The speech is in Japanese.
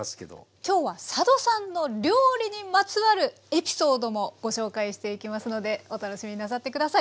今日は佐渡さんの料理にまつわるエピソードもご紹介していきますのでお楽しみになさって下さい。